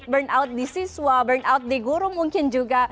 burn out di siswa burn out di guru mungkin juga